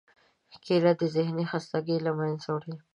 کېله د ذهنی خستګۍ له منځه وړي.